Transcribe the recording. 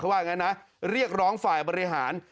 ว่าอย่างนั้นนะเรียกร้องฝ่ายบริหาร